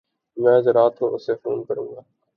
میں اج رات کو اسے فون کروں گا